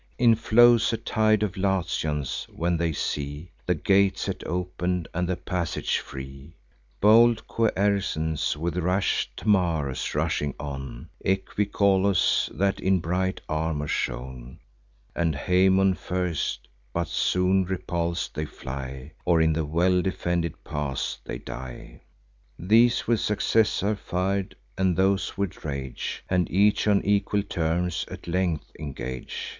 In flows a tide of Latians, when they see The gate set open, and the passage free; Bold Quercens, with rash Tmarus, rushing on, Equicolus, that in bright armour shone, And Haemon first; but soon repuls'd they fly, Or in the well defended pass they die. These with success are fir'd, and those with rage, And each on equal terms at length engage.